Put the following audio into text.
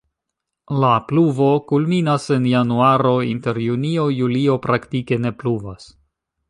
La pluvo kulminas en januaro, inter junio-julio praktike ne pluvas.